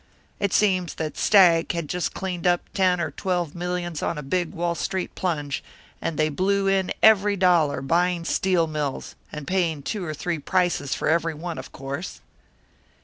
It seems that Stagg had just cleaned up ten or twelve millions on a big Wall Street plunge, and they blew in every dollar, buying steel mills and paying two or three prices for every one, of course."